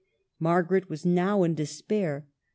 Margaret was now in despair.